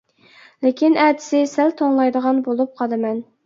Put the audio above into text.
لېكىن ئەتىسى سەل توڭلايدىغان بولۇپ قالىمەن.